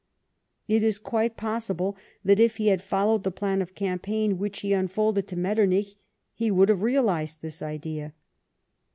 It is quite possible that if he had foHowed the phin of campaign which he unfolded to Metternich, he would have realised this idea.